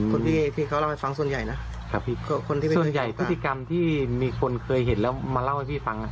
คนที่ที่เขาเล่าให้ฟังส่วนใหญ่นะครับส่วนใหญ่พฤติกรรมที่มีคนเคยเห็นแล้วมาเล่าให้พี่ฟัง